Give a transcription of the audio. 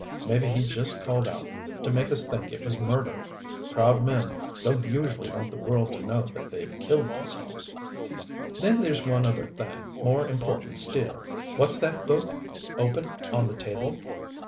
Maybe he just called out to make us think it was murder. Proud men don't usually want the world to know that they've killed themselves. "Then there's one other thing more important still. What's that book, open, on the table?"